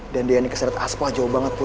dan deyan dikeseret aspa jauh banget put